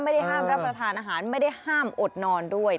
ไม่ได้ห้ามรับประทานอาหารไม่ได้ห้ามอดนอนด้วย